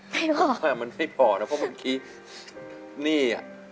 ไม่พอค่ะมันไม่พอนะเพราะเหมือนกี้นี่